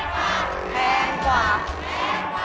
แพงกว่าแพงกว่าแพงกว่า